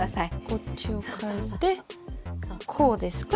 こっちをかえてこうですか？